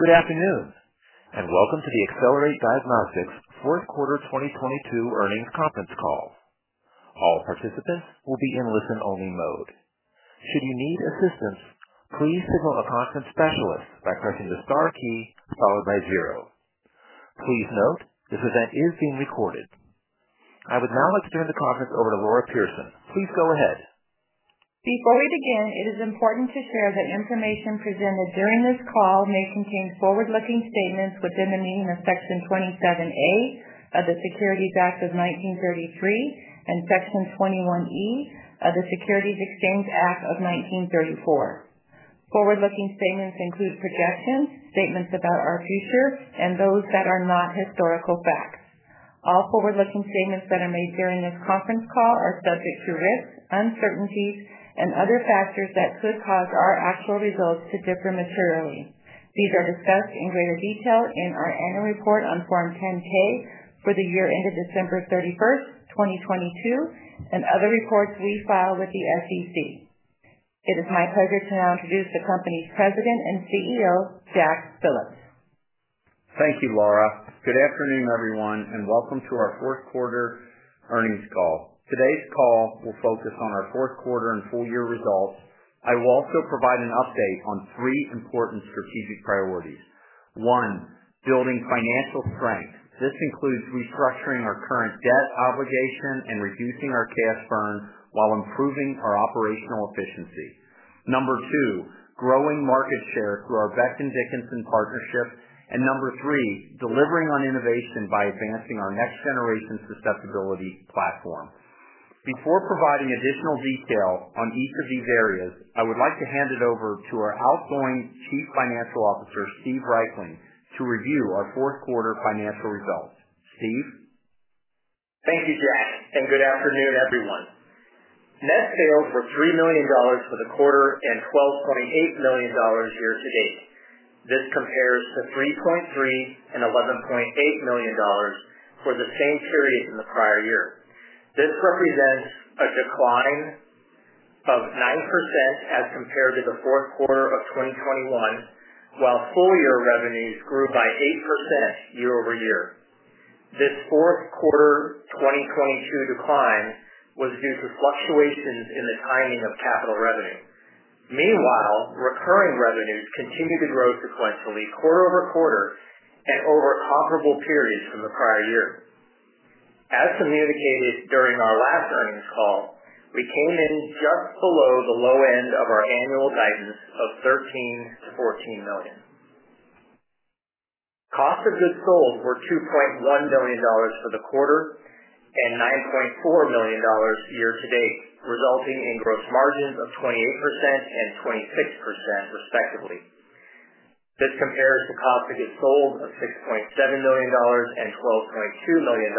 Welcome to the Accelerate Diagnostics fourth quarter 2022 earnings conference call. All participants will be in listen-only mode. Should you need assistance, please signal a conference specialist by pressing the star key followed by zero. Please note, this event is being recorded. I would now like to turn the conference over to Laura Pierson. Please go ahead. Before we begin, it is important to share that information presented during this call may contain forward-looking statements within the meaning of Section 27A of the Securities Act of 1933 and Section 21E of the Securities Exchange Act of 1934. Forward-looking statements include projections, statements about our future, and those that are not historical facts. All forward-looking statements that are made during this conference call are subject to risks, uncertainties, and other factors that could cause our actual results to differ materially. These are discussed in greater detail in our annual report on Form 10-K for the year ended December 31st, 2022, and other reports we file with the SEC. It is my pleasure to now introduce the company's President and CEO, Jack Phillips. Thank you, Laura. Good afternoon, everyone, welcome to our fourth quarter earnings call. Today's call will focus on our fourth quarter and full year results. I will also provide an update on three important strategic priorities. One, building financial strength. This includes restructuring our current debt obligation and reducing our cash burn while improving our operational efficiency. Number two, growing market share through our Becton Dickinson partnership. Number three, delivering on innovation by advancing our next generation susceptibility platform. Before providing additional detail on each of these areas, I would like to hand it over to our outgoing Chief Financial Officer, Steve Reichling, to review our fourth quarter financial results. Steve? Thank you, Jack. Good afternoon, everyone. Net sales were $3 million for the quarter and $12.8 million year to date. This compares to $3.3 million and $11.8 million for the same period in the prior year. This represents a decline of 9% as compared to the fourth quarter of 2021, while full year revenues grew by 8% year-over-year. This fourth quarter 2022 decline was due to fluctuations in the timing of capital revenue. Meanwhile recurring revenues continued to grow sequentially quarter-over-quarter and over comparable periods from the prior year. As communicated during our last earnings call, we came in just below the low end of our annual guidance of $13 million-$14 million. Cost of goods sold were $2.1 million for the quarter and $9.4 million year-to-date, resulting in gross margins of 28% and 26% respectively. This compares to cost of goods sold of $6.7 million and $12.2 million,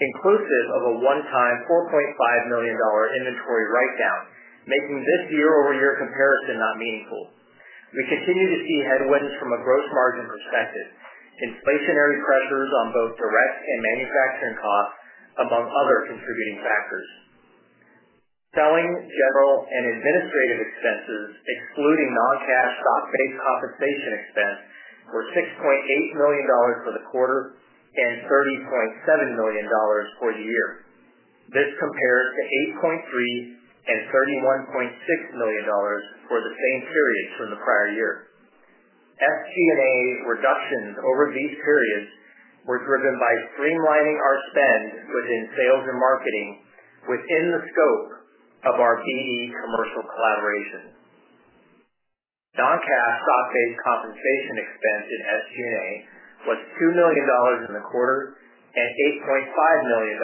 inclusive of a one-time $4.5 million inventory write-down, making this year-over-year comparison not meaningful. We continue to see headwinds from a gross margin perspective, inflationary pressures on both direct and manufacturing costs among other contributing factors. Selling, general, and administrative expenses, excluding non-cash stock-based compensation expense were $6.8 million for the quarter and $30.7 million for the year. This compares to $8.3 million and $31.6 million for the same period from the prior year. SG&A reductions over these periods were driven by streamlining our spend within sales and marketing within the scope of our BD commercial collaboration. Non-cash stock-based compensation expense in SG&A was $2 million in the quarter and $8.5 million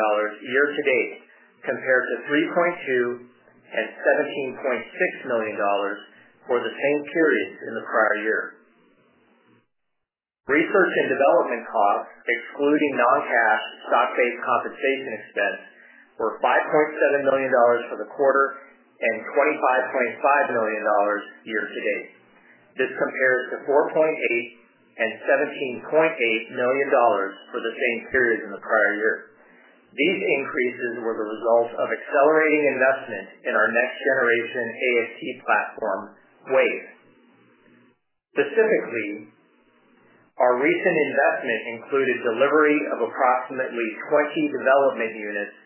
year to date, compared to $3.2 million and $17.6 million for the same period in the prior year. ReseARCh and Development costs, excluding non-cash stock-based compensation expense, were $5.7 million for the quarter and $25.5 million year to date. This compares to $4.8 million and $17.8 million for the same period in the prior year. These increases were the result of accelerating investment in our next generation AST platform, WAVE. Specifically, our recent investment included delivery of approximately 20 development units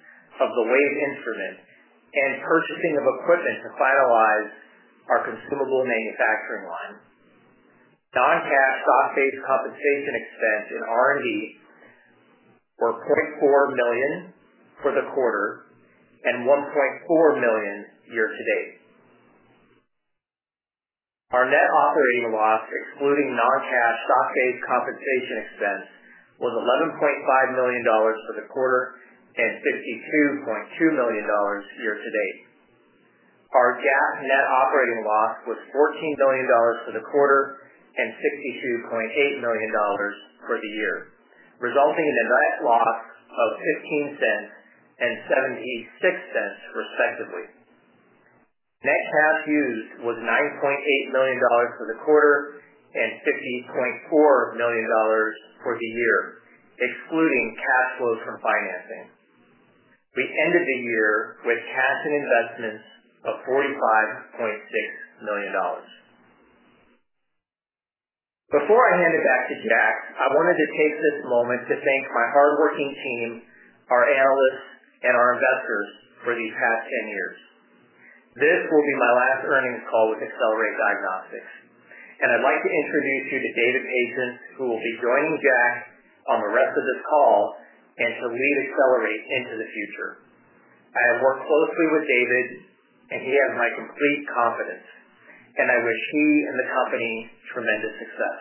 of the Accelerate WAVE instrument and purchasing of equipment to finalize our consumable manufacturing line. Non-cash stock-based compensation expense in R&D were $0.4 million for the quarter and $1.4 million year-to-date. Our net operating loss excluding non-cash stock-based compensation expense, was $11.5 million for the quarter and $52.2 million year-to-date. Our GAAP net operating loss was $14 million for the quarter and $62.8 million for the year, resulting in a net loss of $0.15 and $0.76 respectively. Net cash used was $9.8 million for the quarter and $50.4 million for the year, excluding cash flows from financing. We ended the year with cash and investments of $45.6 million. Before I hand it back to Jack, I wanted to take this moment to thank my hardworking team, our analysts, and our investors for these past 10 years. This will be my last earnings call with Accelerate Diagnostics, and I'd like to introduce you to David Patience, who will be joining Jack on the rest of this call and to lead Accelerate into the future. I have worked closely with David, and he has my complete confidence, and I wish he and the company tremendous success.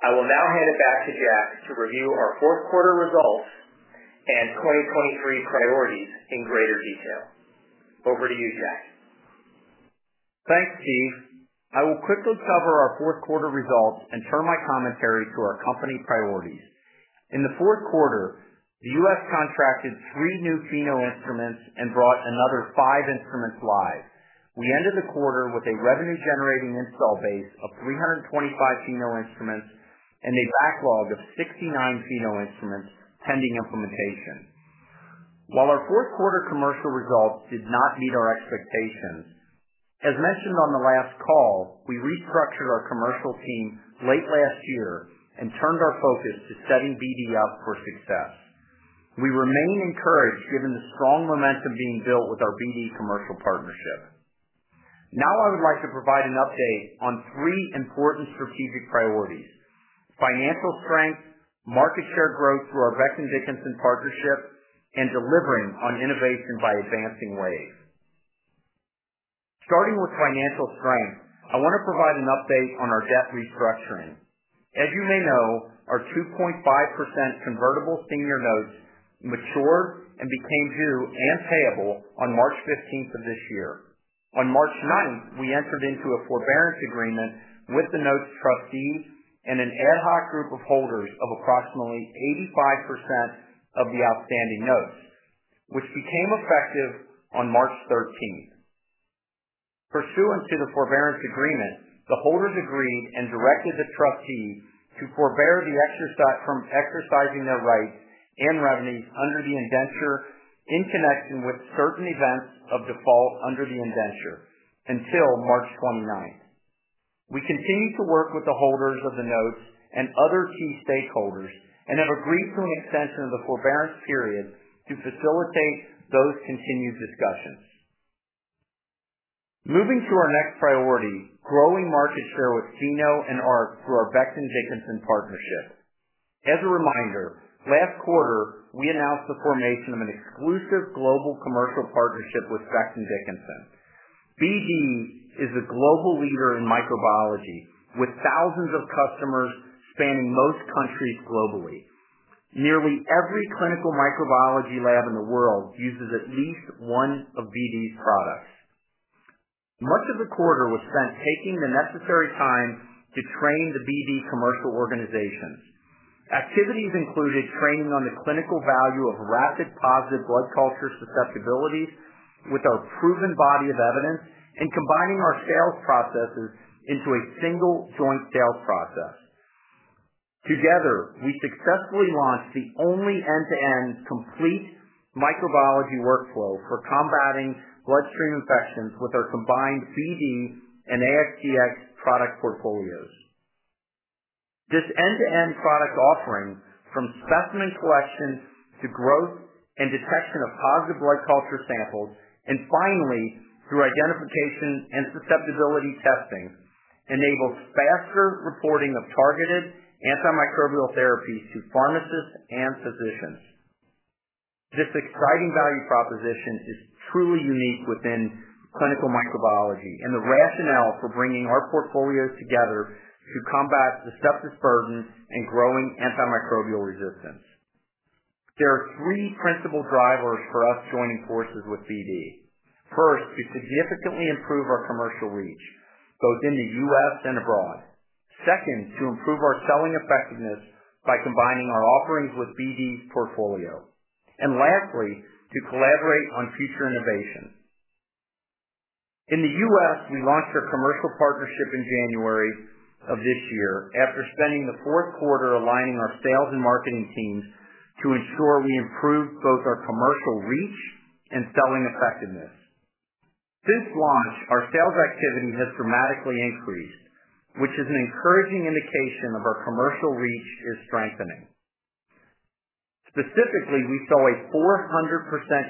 I will now hand it back to Jack to review our fourth quarter results and 2023 priorities in greater detail. Over to you, Jack. Thanks, Steve. I will quickly cover our fourth quarter results and turn my commentary to our company priorities. In the fourth quarter, the U.S. contracted three new Pheno instruments and brought another five instruments live. We ended the quarter with a revenue-generating install base of 325 Pheno instruments and a backlog of 69 Pheno instruments pending implementation. While our fourth quarter commercial results did not meet our expectations as mentioned on the last call, we restructured our commercial team late last year and turned our focus to setting BD up for success. We remain encouraged given the strong momentum being built with our BD commercial partnership. Now I would like to provide an update on three important strategic priorities: financial strength, market share growth through our Becton Dickinson partnership, and delivering on innovation by advancing WAVE. Starting with financial strength, I want to provide an update on our debt restructuring. As you may know, our 2.5% convertible senior notes matured and became due and payable on MARCh 15th of this year. On MARCh 9th, we entered into a forbearance agreement with the notes trustees and an ad hoc group of holders of approximately 85% of the outstanding notes, which became effective on MARCh 13th. Pursuant to the forbearance agreement, the holders agreed and directed the trustees to forbear from exercising their rights and remedies under the indenture in connection with certain events of default under the indenture until MARCh 29th. We continue to work with the holders of the notes and other key stakeholders and have agreed to an extension of the forbearance period to facilitate those continued discussions. Moving to our next priority, growing market share with Pheno and ARC through our Becton Dickinson partnership. As a reminder, last quarter, we announced the formation of an exclusive global commercial partnership with Becton Dickinson. BD is a global leader in microbiology, with thousands of customers spanning most countries globally. Nearly every clinical microbiology lab in the world uses at least one of BD's products. Much of the quarter was spent taking the necessary time to train the BD commercial organization. Activities included training on the clinical value of rapid positive blood culture susceptibility with our proven body of evidence and combining our sales processes into a single joint sales process. Together, we successfully launched the only end-to-end complete microbiology workflow for combating bloodstream infections with our combined BD and AXDX product portfolios. This end-to-end product offering from specimen collection to growth and detection of positive blood culture samples, and finally, through identification and susceptibility testing, enables faster reporting of targeted antimicrobial therapies to pharmacists and physicians. This exciting value proposition is truly unique within clinical microbiology and the rationale for bringing our portfolios together to combat sepsis burden and growing antimicrobial resistance. There are three principal drivers for us joining forces with BD. First, to significantly improve our commercial reach, both in the U.S. and abroad. Second, to improve our selling effectiveness by combining our offerings with BD's portfolio. Lastly, to collaborate on future innovation. In the U.S., we launched our commercial partnership in January of this year after spending the fourth quarter aligning our sales and marketing teams to ensure we improve both our commercial reach and selling effectiveness. Since launch, our sales activity has dramatically increased, which is an encouraging indication of our commercial reach is strengthening. Specifically we saw a 400%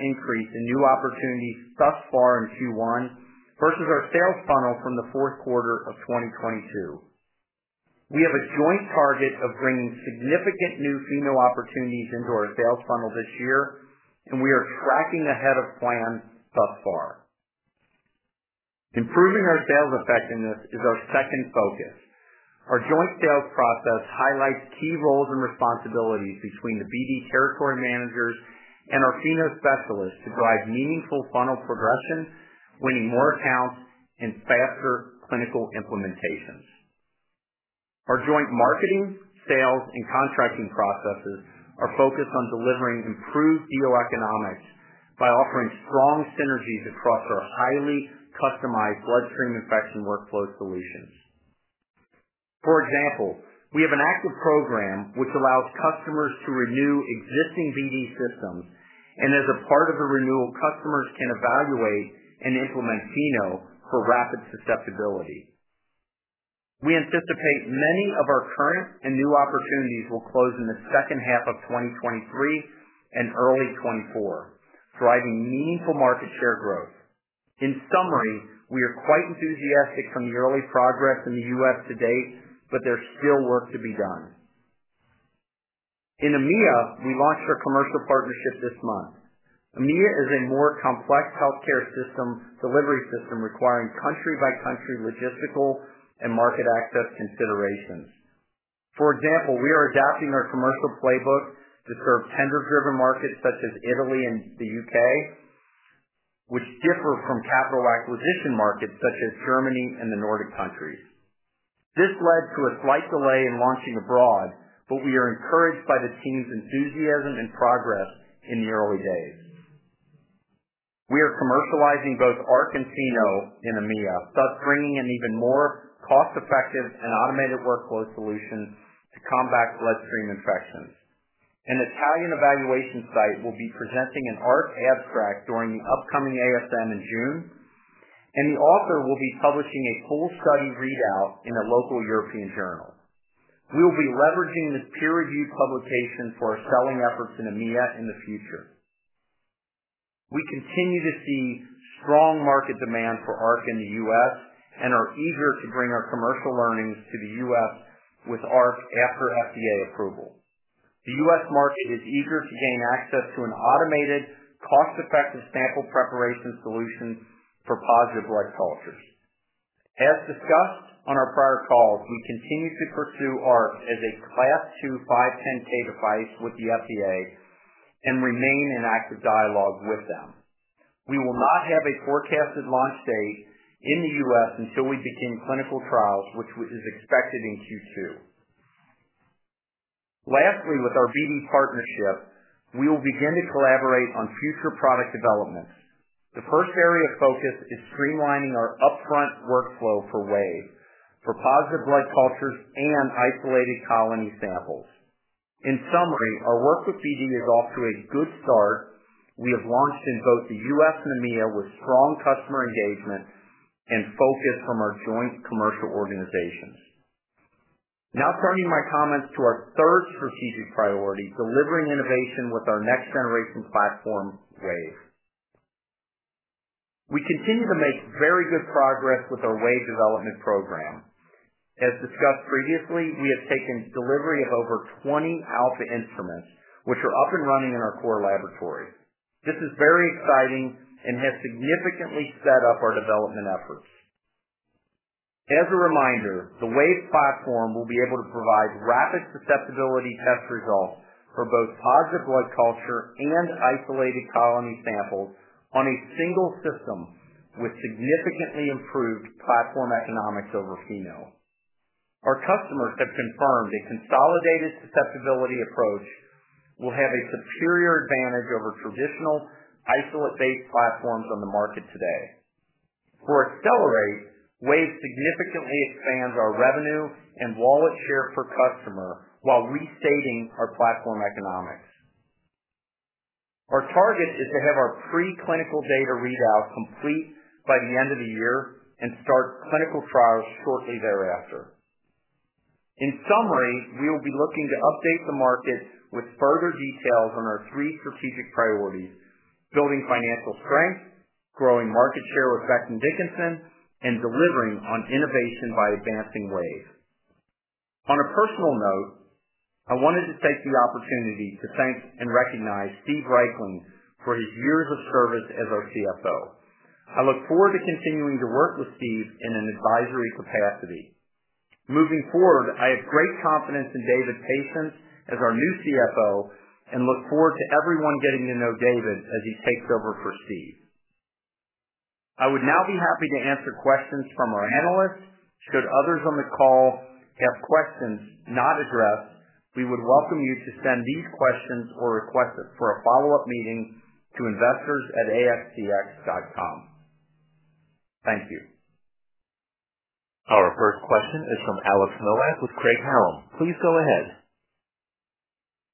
increase in new opportunities thus far in Q1 versus our sales funnel from the fourth quarter of 2022. We have a joint target of bringing significant new Pheno opportunities into our sales funnel this year. We are tracking ahead of plan thus far. Improving our sales effectiveness is our second focus. Our joint sales process highlights key roles and responsibilities between the BD territory managers and our Pheno specialists to drive meaningful funnel progression, winning more accounts, and faster clinical implementations. Our joint marketing, sales, and contracting processes are focused on delivering improved deal economics by offering strong synergies across our highly customized bloodstream infection workflow solutions. For example, we have an active program which allows customers to renew existing BD systems, and as a part of the renewal, customers can evaluate and implement Pheno for rapid susceptibility. We anticipate many of our current and new opportunities will close in the second half of 2023 and early 2024, driving meaningful market share growth. In summary, we are quite enthusiastic from the early progress in the U.S. to date. There is still work to be done. In EMEA, we launched our commercial partnership this month. EMEA is a more complex healthcare system, delivery system requiring country by country logistical and market access considerations. For example, we are adapting our commercial playbook to serve tender-driven markets such as Italy and the U.K., which differ from capital acquisition markets such as Germany and the Nordic countries. This led to a slight delay in launching abroad, but we are encouraged by the team's enthusiasm and progress in the early days. We are commercializing both ARC and Pheno in EMEA, thus bringing an even more cost-effective and automated workflow solution to combat bloodstream infections. An Italian evaluation site will be presenting an ARC abstract during the upcoming ASM in June, and the author will be publishing a full study readout in a local European journal. We will be leveraging this peer-reviewed publication for our selling efforts in EMEA in the future. We continue to see strong market demand for ARC in the U.S. and are eager to bring our commercial learnings to the U.S. with ARC after FDA approval. The U.S. market is eager to gain access to an automated, cost-effective sample preparation solution for positive blood cultures. As discussed on our prior calls, we continue to pursue ARC as a Class II 510(k) device with the FDA and remain in active dialogue with them. We will not have a forecasted launch date in the U.S. until we begin clinical trials, which is expected in Q2. Lastly, with our BD partnership, we will begin to collaborate on future product developments. The first area of focus is streamlining our upfront workflow for WAVE, for positive blood cultures and isolated colony samples. In summary, our work with BD is off to a good start. We have launched in both the US and EMEA with strong customer engagement and focus from our joint commercial organizations. Turning my comments to our third strategic priority, delivering innovation with our next-generation platform, WAVE. We continue to make very good progress with our WAVE development program. As discussed previously, we have taken delivery of over 20 alpha instruments, which are up and running in our core laboratory. This is very exciting and has significantly set up our development efforts. As a reminder, the WAVE platform will be able to provide rapid susceptibility test results for both positive blood culture and isolated colony samples on a single system with significantly improved platform economics over Pheno. Our customers have confirmed a consolidated susceptibility approach will have a superior advantage over traditional isolate-based platforms on the market today. For Accelerate, WAVE significantly expands our revenue and wallet share per customer while restating our platform economics. Our target is to have our pre-clinical data readout complete by the end of the year and start clinical trials shortly thereafter. In summary, we will be looking to update the market with further details on our three strategic priorities, building financial strength, growing market share with Becton Dickinson, and delivering on innovation by advancing WAVE. On a personal note, I wanted to take the opportunity to thank and recognize Steve Reichling for his years of service as our CFO. I look forward to continuing to work with Steve in an advisory capacity. Moving forward I have great confidence in David Patience as our new CFO and look forward to everyone getting to know David as he takes over for Steve. I would now be happy to answer questions from our analysts. Should others on the call have questions not addressed, we would welcome you to send these questions or requests for a follow-up meeting to investors at axdx.com. Thank you. Our first question is from Bill Bonello with Craig-Hallum. Please go ahead.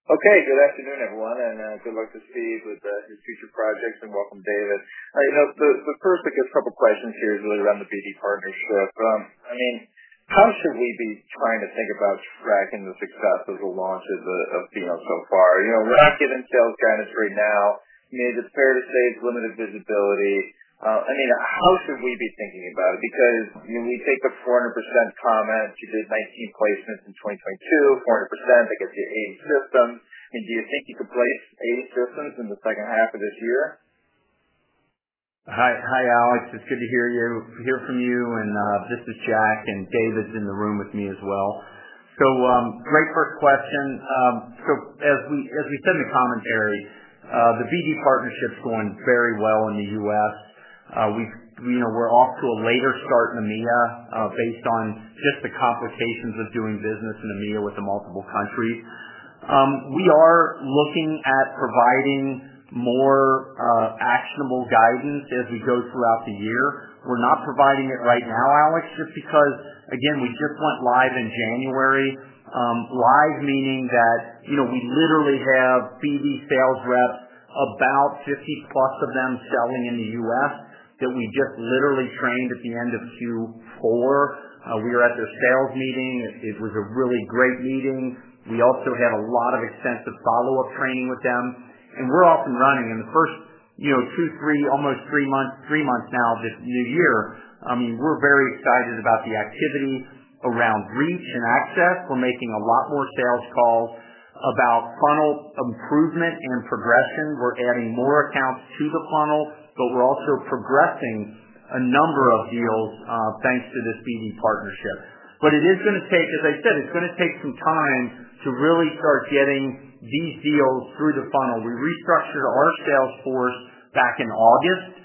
Okay. Good afternoon everyone, and good luck to Steve with his future projects and welcome, David. You know, the first, I guess, couple questions here is really around the BD partnership. I mean, how should we be trying to think about tracking the success of the launch of the of you know, so far? You know, we are not getting sales guidance right now. You know, is it fair to say it's limited visibility? I mean, how should we be thinking about it? Because when we take the 400% comment, you did 19 placements in 2022, 400%, I guess, the 8 systems. Do you think you could place 8 systems in the second half of this year? Hi. Hi, Alex. It's good to hear from you, and this is Jack, and David's in the room with me as well. Great first question. As we said in the commentary, the BD partnership's going very well in the U.S. We've, you know, we are off to a later start in EMEA, based on just the complications of doing business in EMEA with the multiple countries. We are looking at providing more, actionable guidance as we go throughout the year. We are not providing it right now, Alex, just because, again, we just went live in January. Live meaning that, you know, we literally have BD sales reps, about 50 plus of them selling in the U.S., that we just literally trained at the end of Q4. We were at their sales meeting. It was a really great meeting. We also had a lot of extensive follow-up training with them. We're off and running. In the first, you know, 2, 3, almost 3 months now of this new year, I mean, we're very excited about the activity around reach and access. We are making a lot more sales calls about funnel improvement and progression. We are adding more accounts to the funnel. We are also progressing a number of deals thanks to this BD partnership. It is gonna take, as I said, it's gonna take some time to really start getting these deals through the funnel. We restructured our sales force back in August.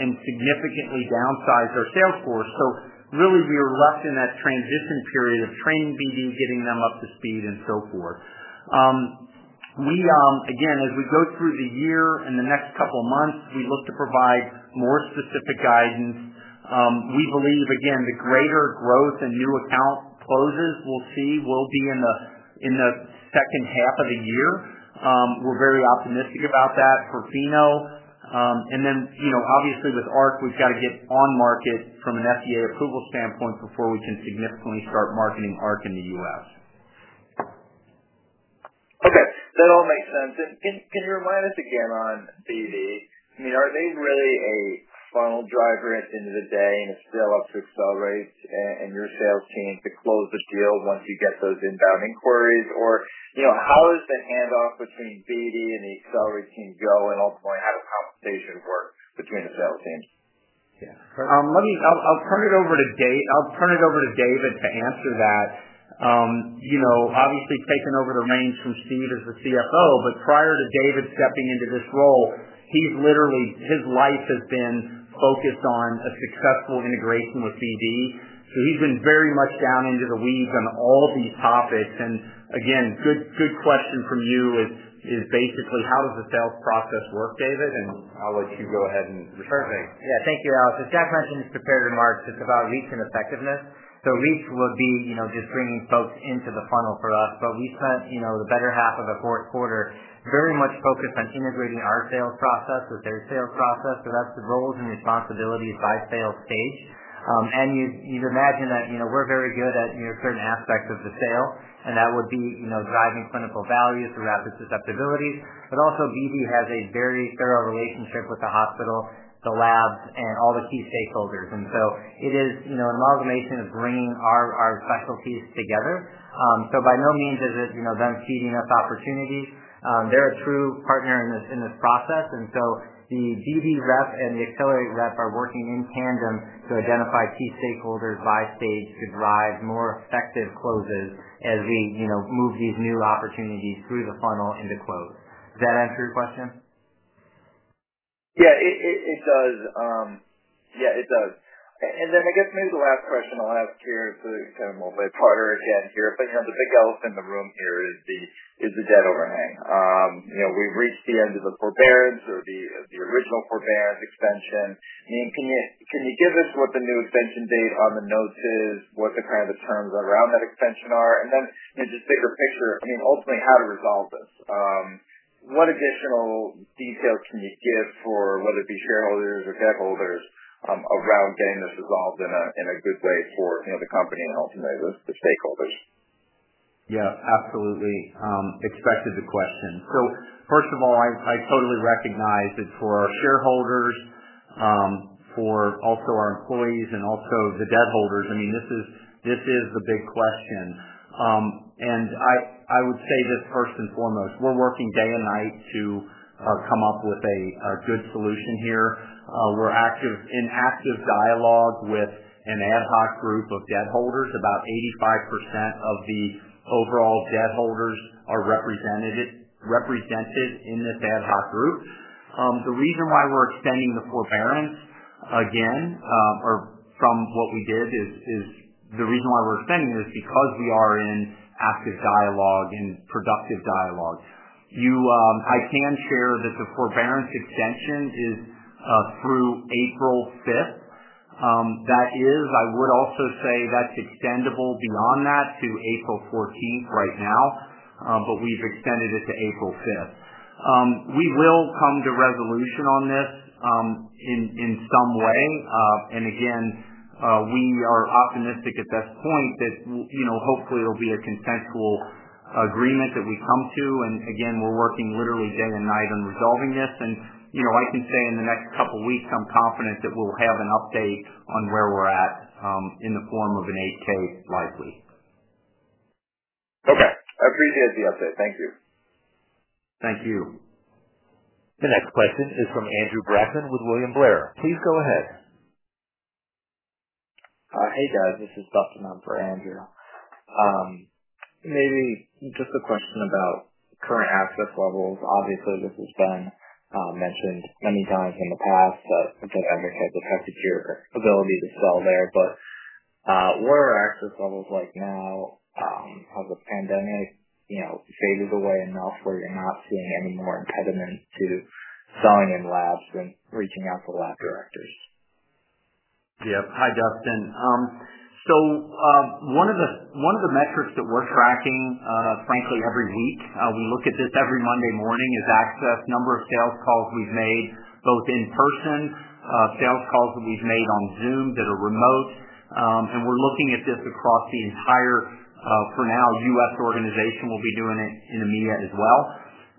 Significantly downsized our sales force. So really, we are left in that transition period of training BD, getting them up to speed, and so forth. We, again as we go through the year, in the next couple of months, we look to provide more specific guidance. We believe again, the greater growth in new account closes we'll see will be in the second half of the year. We are very optimistic about that for Pheno. You know, obviously with ARC, we have got to get on market from an FDA approval standpoint before we can significantly start marketing ARC in the U.S. Okay. That all makes sense. Can you remind us again on BD, I mean, are they really a funnel driver at the end of the day, and it's for you all to Accelerate and your sales team to close those deals once you get those inbound inquiries? You know, how is the handoff between BD and the Accelerate team go? Ultimately, how does compensation work between the sales teams? Yeah. I'll turn it over to David to answer that. You know, obviously taken over the reins from Steve as the CFO, but prior to David stepping into this role, he's literally his life has been focused on a successful integration with BD. He's been very much down into the weeds on all these topics. Again, good question from you is basically how does the sales process work, David? I'll let you go ahead and respond. Perfect. Yeah. Thank you, Alex. As Jack mentioned in his prepared remarks, it's about reach and effectiveness. Reach would be, you know, just bringing folks into the funnel for us. We spent, you know, the better half of the fourth quarter very much focused on integrating our sales process with their sales process. That is the roles and responsibilities by sales stage. You'd imagine that, you know, we are very good at, you know, certain aspects of the sale and that would be, you know, driving clinical value through rapid susceptibilities. Also BD has a very thorough relationship with the hospital, the labs and all the key stakeholders. It is, you know, an amalgamation of bringing our specialties together. By no means is it, you know, them feeding us opportunities. They are a true partner in this, in this process. The BD rep and the Accelerate rep are working in tandem to identify key stakeholders by stage to drive more effective closes as we, you know, move these new opportunities through the funnel into close. Does that answer your question? Yeah. It does. Yeah, it does. I guess maybe the last question I'll ask here is a kind of multi-parter again here, but, you know, the big elephant in the room here is the debt overhang. You know, we've reached the end of the forbearance or the original forbearance extension. I mean, can you give us what the new extension date on the notes is? What the kind of the terms around that extension are? Just bigger picture, I mean ultimately how to resolve this. What additional details can you give for whether it be shareholders or debt holders, around getting this resolved in a, in a good way for, you know, the company and ultimately the stakeholders? Yeah, absolutely. Expected the question. First of all, I totally recognize that for our shareholders, for also our employees and also the debt holders, I mean, this is the big question. I would say this first and foremost, we're working day and night to come up with a good solution here. We are in active dialogue with an ad hoc group of debt holders. About 85% of the overall debt holders are represented in this ad hoc group. The reason why we're extending the forbearance again is because we are in active dialogue, in productive dialogue. I can share that the forbearance extension is through April 5th. That is, I would also say that's extendable beyond that to April 14th right now. We have extended it to April 5th. We will come to resolution on this in some way. Again, we are optimistic at this point that you know, hopefully it'll be a consensual agreement that we come to. Again, we're working literally day and night on resolving this. You know, I can say in the next couple of weeks, I'm confident that we'll have an update on where we're at in the form of an 8-K likely. Okay. I appreciate the update. Thank you. Thank you. The next question is from Andrew Brackmann with William Blair. Please go ahead. Hey, guys, this is Dustin in for Andrew. Maybe just a question about current access levels. Obviously, this has been mentioned many times in the past, but I think Andrew has attested to your ability to sell there. What are access levels like now, as the pandemic, you know, fades away and elsewhere you're not seeing any more impediments to selling in labs and reaching out to lab directors? Yep. Hi, Dustin. One of the, one of the metrics that we're tracking, frankly, every week, we look at this every Monday morning, is access. Number of sales calls we've made, both in person, sales calls that we've made on Zoom that are remote. We're looking at this across the entire, for now, U.S. organization. We'll be doing it in EMEA as well.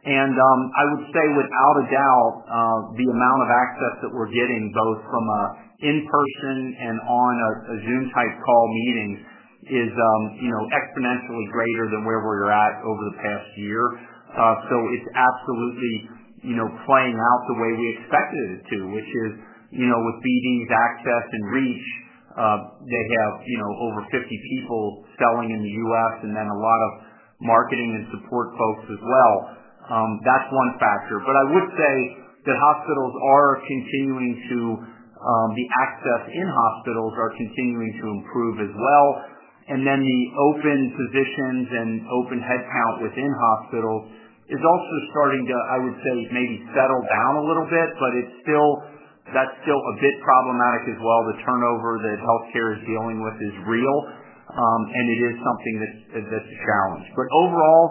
I would say without a doubt, the amount of access that we're getting both from a in-person and on a Zoom type call meeting is, you know, exponentially greater than where we were at over the past year. It's absolutely, you know, playing out the way we expected it to, which is, you know, with BD's access and reach, they have, you know, over 50 people selling in the U.S. and then a lot of marketing and support folks as well. That's one factor. I would say that hospitals are continuing to, the access in hospitals are continuing to improve as well. The open positions and open head count within hospitals is also starting to, I would say, maybe settle down a little bit, but it's still... that is still a bit problematic as well. The turnover that healthcare is dealing with is real, and it is something that's a challenge. Overall,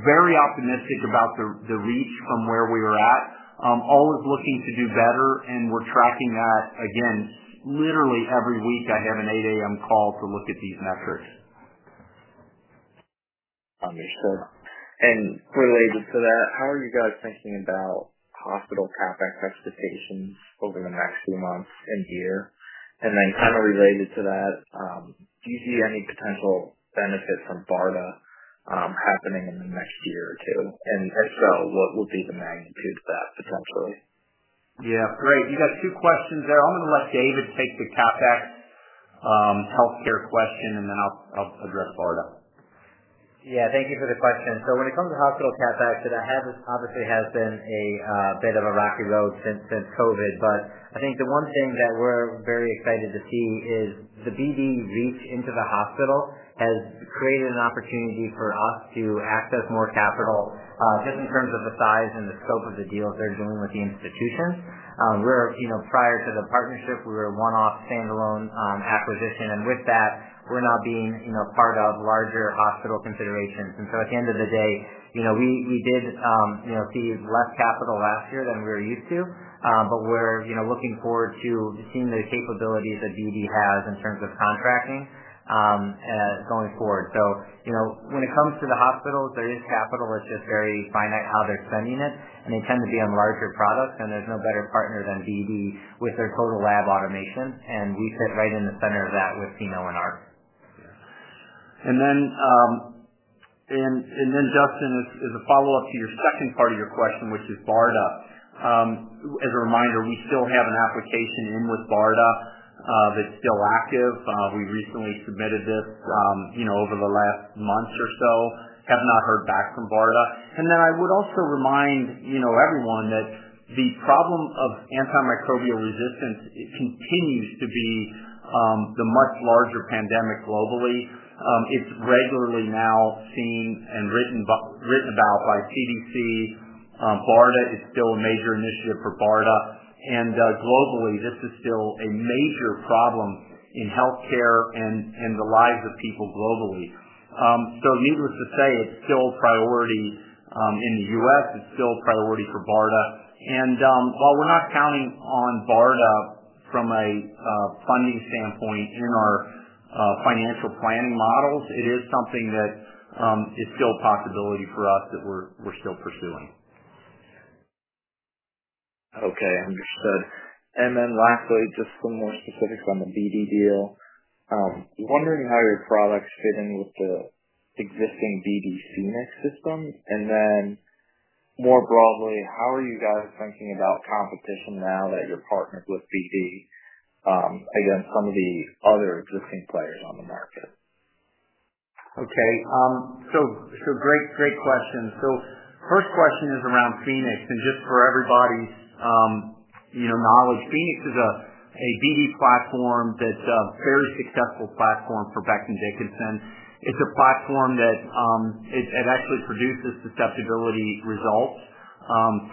very optimistic about the reach from where we were at. Always looking to do better and we're tracking that again. Literally every week I have an 8 A.M. call to look at these metrics. Understood. Related to that, how are you guys thinking about hospital CapEx expectations over the next few months and year? Kind of related to that, do you see any potential benefit from BARDA happening in the next year or 2? If so, what will be the magnitude of that potentially? Yeah, great. You got two questions there. I'm gonna let David take the CapEx, healthcare question, and then I'll address BARDA. Thank you for the question. When it comes to hospital CapEx, it has obviously been a bit of a rocky road since COVID. I think the one thing that we're very excited to see is the BD reach into the hospital has created an opportunity for us to access more capital just in terms of the size and the scope of the deals they're doing with the institutions. We're, you know, prior to the partnership, we were a one-off standalone acquisition, and with that, we're now being, you know, part of larger hospital considerations. At the end of the day, you know, we did, you know, see less capital last year than we were used to. We're, you know, looking forward to seeing the capabilities that BD has in terms of contracting going forward. You know, when it comes to the hospitals, there is capital, it's just very finite how they're spending it, and they tend to be on larger products and there's no better partner than BD with their total lab automation. We fit right in the center of that with Pheno and R. Dustin, as a follow-up to your second part of your question, which is BARDA. As a reminder, we still have an application in with BARDA that's still active. We recently submitted this, you know, over the last month or so, have not heard back from BARDA. I would also remind, you know, everyone that the problem of antimicrobial resistance continues to be the much larger pandemic globally. It's regularly now seen and written about by CDC. BARDA, it's still a major initiative for BARDA. Globally, this is still a major problem in healthcare and the lives of people globally. Needless to say, it's still a priority in the U.S., it's still a priority for BARDA. While we're not counting on BARDA from a funding standpoint in our financial planning models, it is something that is still a possibility for us that we're still pursuing. Okay, understood. Lastly, just some more specifics on the BD deal. Wondering how your products fit in with the existing BD Phoenix system? More broadly, how are you guys thinking about competition now that you're partnered with BD, against some of the other existing players on the market? Okay. So great question. First question is around Phoenix. Just for everybody's, you know, knowledge, Phoenix is a BD platform that's a very successful platform for Becton, Dickinson and Company. It's a platform that actually produces susceptibility results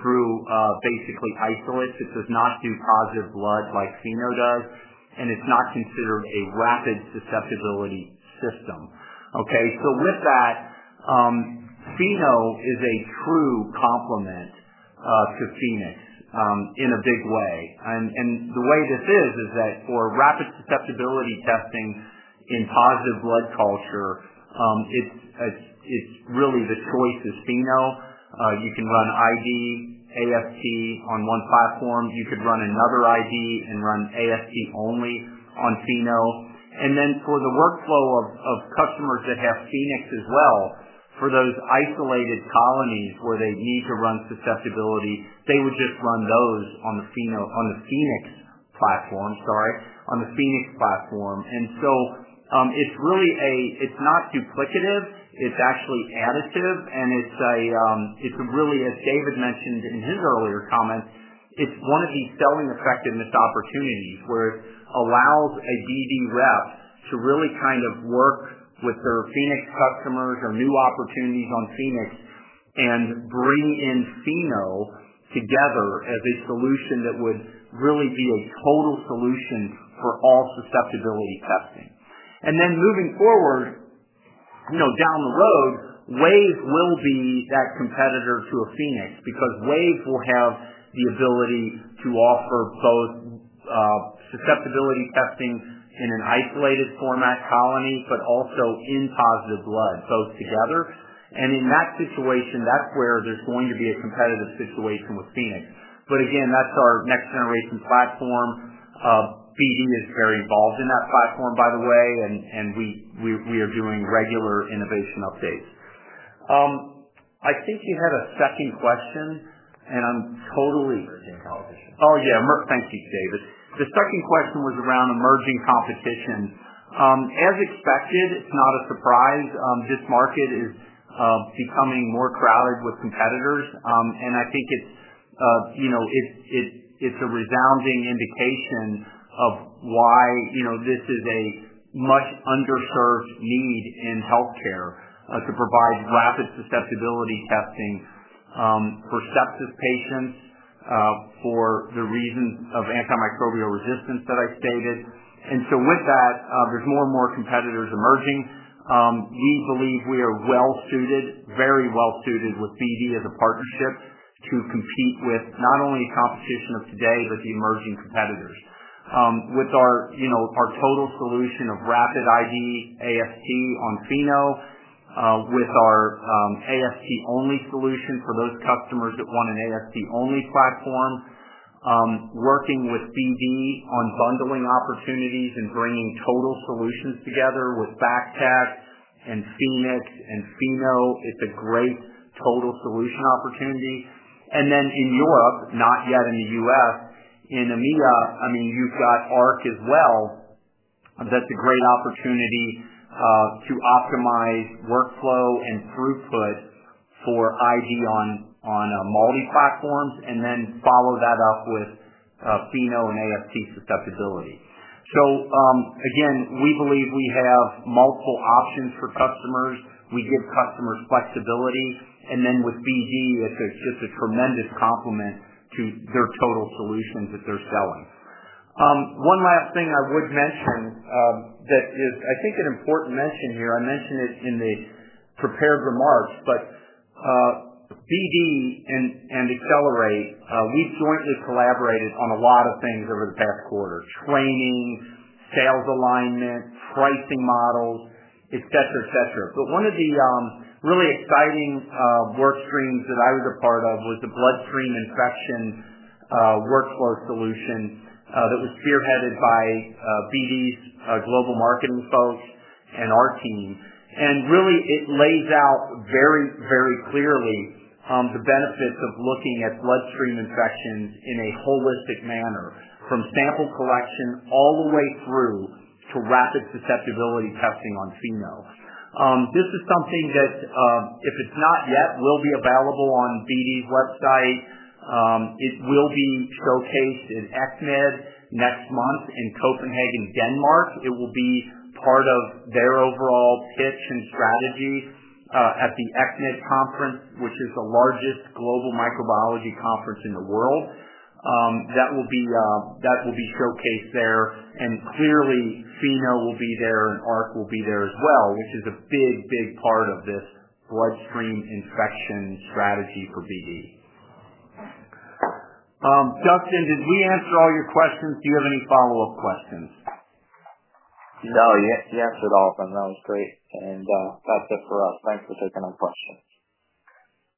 through basically isolates. It does not do positive blood like Pheno does, and it's not considered a rapid susceptibility system. With that, Pheno is a true complement to Phoenix in a big way. The way this is that for rapid susceptibility testing in positive blood culture, it's really the choice is Pheno. You can run ID, AST on one platform. You could run another ID and run AST only on Pheno. Then for the workflow of customers that have Phoenix as well, for those isolated colonies where they need to run susceptibility, they would just run those on the Phoenix platform, sorry. On the Phoenix platform. It's not duplicative. It's actually additive. It's a, it's really, as David mentioned in his earlier comments, it's one of these selling effectiveness opportunities where it allows a BD rep to really kind of work with their Phoenix customers or new opportunities on Phoenix and bring in Pheno together as a solution that would really be a total solution for all susceptibility testing. Moving forward, you know, down the road, WAVE will be that competitor to a Phoenix because WAVE will have the ability to offer both susceptibility testing in an isolated colony format, but also in positive blood, both together. In that situation, that's where there's going to be a competitive situation with Phoenix. Again, that's our next-generation platform. BD is very involved in that platform, by the way. We are doing regular innovation updates. I think you had a second question, and I'm totally... Emerging competition. Oh, yeah. Thank you, David. The second question was around emerging competition. As expected, it's not a surprise. This market is becoming more crowded with competitors. I think it's, you know, it's a resounding indication of why, you know, this is a much underserved need in healthcare to provide rapid susceptibility testing for sepsis patients for the reasons of antimicrobial resistance that I stated. With that, there's more and more competitors emerging. We believe we are well suited, very well suited with BD as a partnership to compete with not only the competition of today, but the emerging competitors. With our, you know, our total solution of rapid ID AST on Pheno, with our AST only solution for those customers that want an AST only platform, working with BD on bundling opportunities and bringing total solutions together with BACTEC and Phoenix and Pheno, it's a great total solution opportunity. In Europe, not yet in the U.S., in EMEA, I mean, you have got ARC as well. That's a great opportunity to optimize workflow and throughput for ID on multi-platforms follow that up with Pheno and AST susceptibility. Again, we believe we have multiple options for customers. We give customers flexibility. With BD, it's a, just a tremendous complement to their total solutions that they're selling. One last thing I would mention that is, I think, an important mention here. I mentioned it in the prepared remarks, but BD and Accelerate, we've jointly collaborated on a lot of things over the past quarter: training, sales alignment, pricing models, et cetera, et cetera. One of the really exciting work streams that I was a part of was the bloodstream infection workflow solution that was spearheaded by BD's global marketing folks and our team. Really it lays out very, very clearly, the benefits of looking at bloodstream infections in a holistic manner, from sample collection all the way through to rapid susceptibility testing on Pheno. This is something that, if it's not yet, will be available on BD's website. It will be showcased in ECCMID next month in Copenhagen, Denmark. It will be part of their overall pitch and strategy at the ECCMID conference, which is the largest global microbiology conference in the world. That will be showcased there. Clearly, Pheno will be there and ARC will be there as well, which is a big part of this bloodstream infection strategy for BD. Dustin, did we answer all your questions? Do you have any follow-up questions? No, you answered all of them. That was great. That's it for us. Thanks for taking our questions.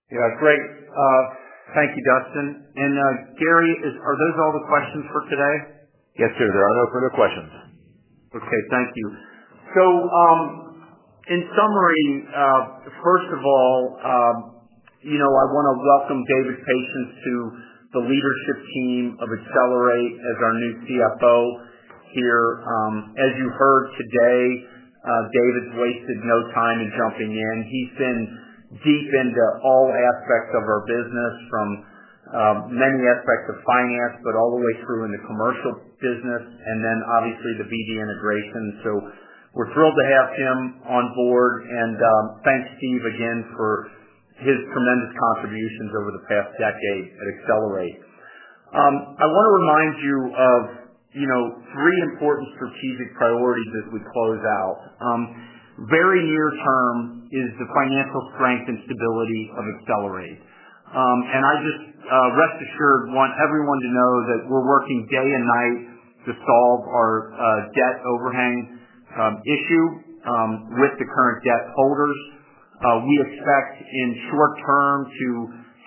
Yeah, great. Thank you, Dustin. Gary, are those all the questions for today? Yes, sir. There are no further questions. Okay. Thank you. In summary, first of all, you know, I wanna welcome David Patience to the leadership team of Accelerate as our new CFO here. As you heard today, David wasted no time in jumping in. He's been deep into all aspects of our business from many aspects of finance, but all the way through in the commercial business and then obviously the BD integration. We're thrilled to have him on board. Thanks, Steve, again for his tremendous contributions over the past decade at Accelerate. I wanna remind you of, you know, three important strategic priorities as we close out. Very near term is the financial strength and stability of Accelerate. I just rest assured want everyone to know that we're working day and night to solve our debt overhang issue with the current debt holders. We expect in short term to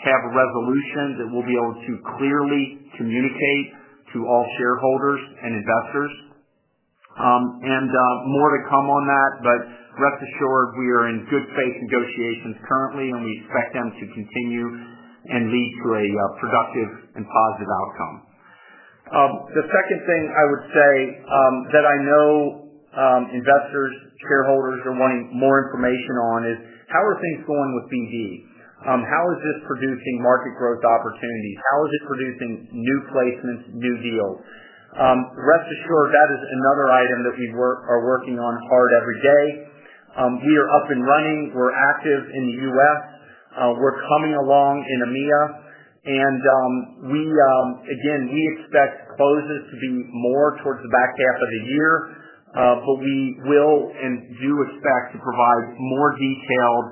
have a resolution that we'll be able to clearly communicate to all shareholders and investors. More to come on that, rest assured we are in good faith negotiations currently, and we expect them to continue and lead to a productive and positive outcome. The second thing I would say that I know investors, shareholders are wanting more information on is how are things going with BD? How is this producing market growth opportunities? How is it producing new placements, new deals? Rest assured that is another item that we are working on hard every day. We are up and running. We're active in the US. We're coming along in EMEA. Again, we expect closes to be more towards the back half of the year, but we will and do expect to provide more detailed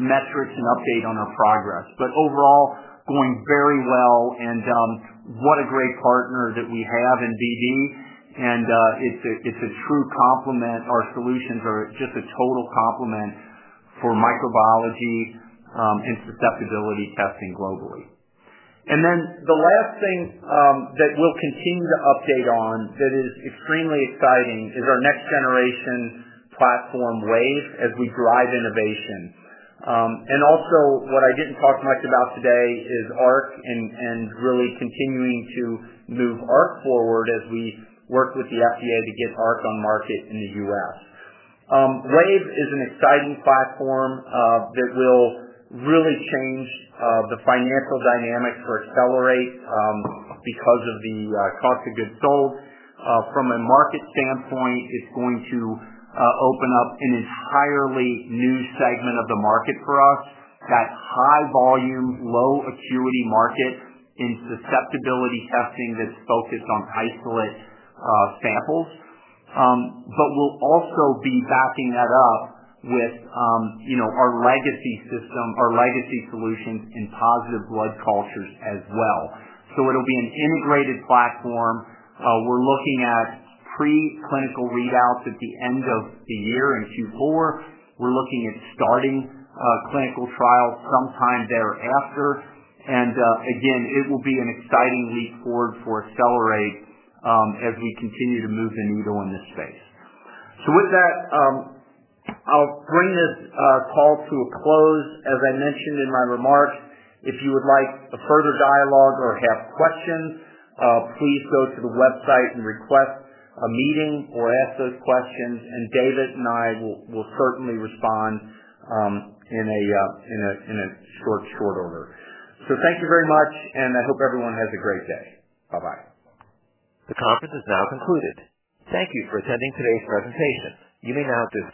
metrics and update on our progress. Overall, going very well and what a great partner that we have in BD. It's a true complement. Our solutions are just a total complement for microbiology and susceptibility testing globally. The last thing that we'll continue to update on that is extremely exciting is our next generation platform WAVE as we drive innovation. Also what I didn't talk much about today is ARC and really continuing to move ARC forward as we work with the FDA to get ARC on market in the US. WAVE is an exciting platform that will really change the financial dynamics for Accelerate because of the cost of goods sold. From a market standpoint, it's going to open up an entirely new segment of the market for us. That high volume, low acuity market in susceptibility testing that's focused on isolate samples. But we'll also be backing that up with, you know, our legacy system, our legacy solutions in positive blood cultures as well. It'll be an integrated platform. We're looking at pre-clinical readouts at the end of the year in Q4. We're looking at starting clinical trials sometime thereafter. Again, it will be an exciting leap forward for Accelerate as we continue to move the needle in this space. With that, I'll bring this call to a close. As I mentioned in my remarks, if you would like a further dialogue or have questions, please go to the website and request a meeting or ask those questions, and David and I will certainly respond, in a short order. Thank you very much, and I hope everyone has a great day. Bye-bye. The conference has now concluded. Thank you for attending today's presentation. You may now disconnect.